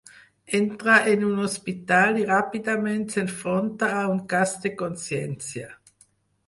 Entra en un hospital i ràpidament s’enfronta a un cas de consciència.